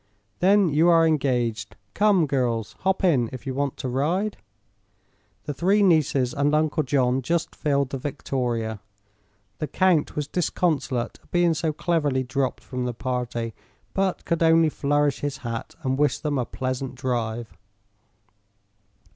"Then you are engaged. Come, girls; hop in, if you want to ride." The three nieces and Uncle John just filled the victoria. The count was disconsolate at being so cleverly dropped from the party, but could only flourish his hat and wish them a pleasant drive.